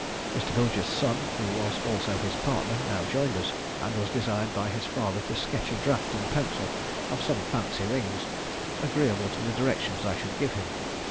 Mr. Bilger's son, who was also his partner, now joined us, and was desired by his father to sketch a draught in pencil of some fancy rings, agreeable to the directions I should give him.